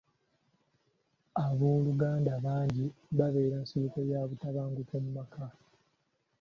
Abooluganda bangi babeera nsibuko ya butabanguko mu maka.